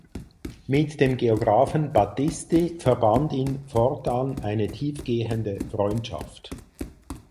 Mit dem Geographen Battisti verband ihn fortan eine tiefgehende Freundschaft.